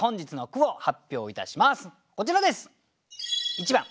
こちらです。